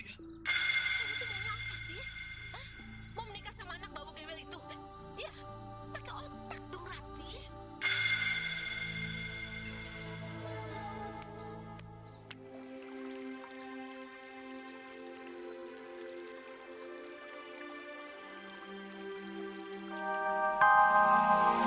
iya pakai otak dong rati